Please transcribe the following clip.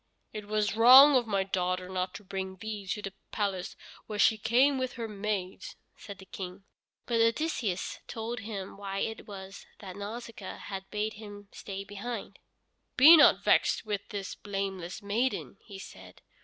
"It was wrong of my daughter not to bring thee to the palace when she came with her maids," said the King. But Odysseus told him why it was that Nausicaa had bade him stay behind. "Be not vexed with this blameless maiden," he said.